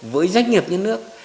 với doanh nghiệp nhà nước